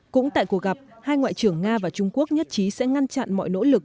cũng tại cuộc gặp hai ngoại trưởng nga và trung quốc nhất trí sẽ ngăn chặn mọi nỗ lực